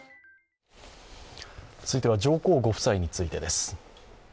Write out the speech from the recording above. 続いては、上皇ご夫妻についてです。